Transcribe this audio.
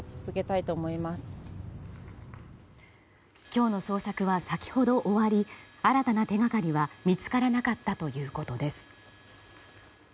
今日の捜索は先ほど終わり新たな手掛かりは見つからなかったということです。